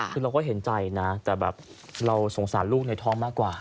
คือเราก็เห็นใจนะแต่แบบเราสงสารลูกในท้องมากกว่า